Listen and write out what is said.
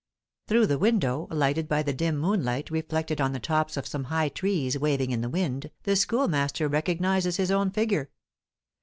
Through the window, lighted by the dim moonlight reflected on the tops of some high trees waving in the wind, the Schoolmaster recognises his own figure.